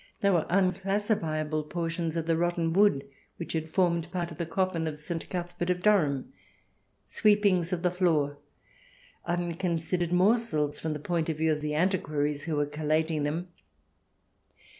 They were unclassifiable portions of the rotten wood which had formed part of the coffin of St. Cuthbert of Durham, sweepings of the floor — unconsidered morsels, from the point of view of the antiquaries who were CH.XII] LIONS AND LACE CURTAINS 167 collating them.